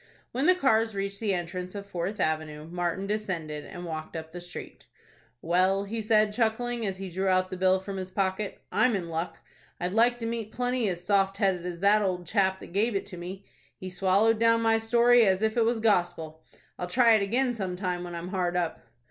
When the cars reached the entrance of Fourth Avenue, Martin descended, and walked up the street. "Well," he said, chuckling, as he drew out the bill from his pocket, "I'm in luck. I'd like to meet plenty as soft headed as that old chap that gave it to me. He swallowed down my story, as if it was gospel. I'll try it again some time when I'm hard up."